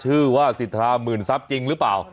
ชื่อว่าสิทธาหมื่นทรัพย์จริงหรือเปล่า